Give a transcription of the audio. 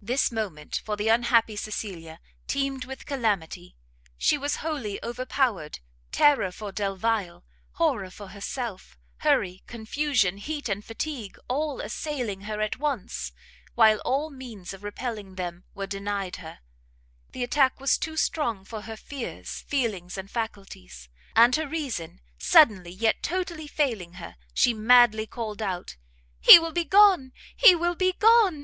This moment, for the unhappy Cecilia, teemed with calamity; she was wholly overpowered; terror for Delvile, horror for herself, hurry, confusion, heat and fatigue, all assailing her at once, while all means of repelling them were denied her, the attack was too strong for her fears, feelings, and faculties, and her reason suddenly, yet totally failing her, she madly called out, "He will be gone! he will be gone!